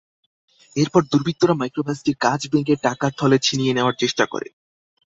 এরপর দুর্বৃত্তরা মাইক্রোবাসটির কাচ ভেঙে টাকার থলে ছিনিয়ে নেওয়ার চেষ্টা করে।